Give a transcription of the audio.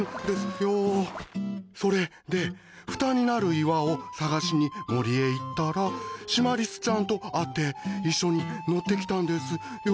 それでふたになる岩を探しに森へ行ったらシマリスちゃんと会って一緒に乗ってきたんですよ。